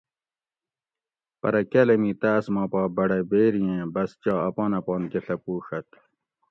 پرہ کاۤلمی تاۤس ما پا بڑہ بیری ایں بس چا اپان اپان کہۤ ڷپُوڛت